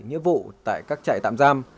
nhiệm vụ tại các trại tạm giam